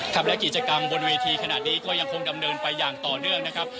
และกิจกรรมบนเวทีขนาดนี้ก็ยังคงดำเนินไปอย่างต่อเนื่องนะครับ